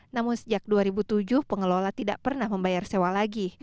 namun sejak dua ribu tujuh pengelola tidak pernah membayar sewa lagi